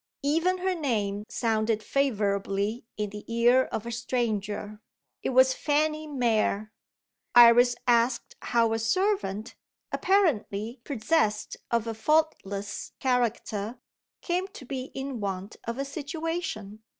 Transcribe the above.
Even her name sounded favourably in the ear of a stranger it was Fanny Mere. Iris asked how a servant, apparently possessed of a faultless character, came to be in want of a situation.